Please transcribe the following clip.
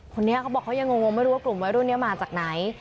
คนนี้เขาบอกเขายังงงไม่รู้ว่ากลุ่มวัยรุ่นนี้มาจากไหน